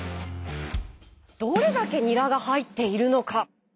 どれだけニラが入っているのか？